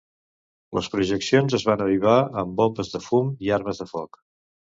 Les projeccions es van avivar amb bombes de fum i armes de foc.